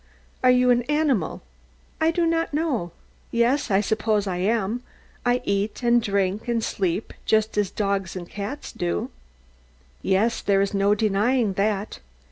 Are you an animal? I do not know. Yes. I suppose I am. I eat, and drink, and sleep, just as dogs and cats do. Yes. There is no denying that.